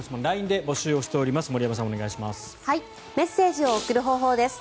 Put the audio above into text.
ＬＩＮＥで募集をしております。